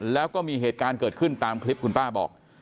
แล้วก็มีเหตุการณ์เกิดขึ้นตามคลิปคุณป้าบอก